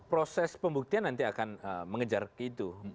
proses pembuktian nanti akan mengejar itu